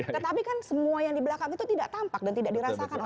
tetapi kan semua yang di belakang itu tidak tampak dan tidak dirasakan oleh orang